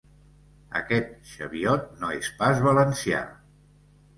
Aquest xeviot no és pas valencià.